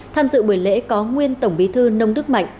tham dự buổi lễ có nguyên tổng bí thư nông đức mạnh